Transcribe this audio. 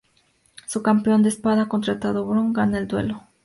Su campeón de espada contratado Bronn, gana el duelo.